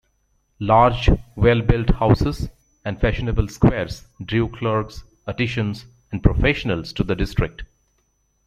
Large well-built houses and fashionable squares drew clerks, artisans and professionals to the district.